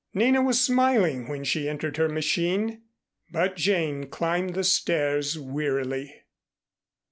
Nina was smiling when she entered her machine, but Jane climbed the stairs wearily.